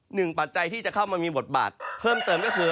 ปัจจัยที่จะเข้ามามีบทบาทเพิ่มเติมก็คือ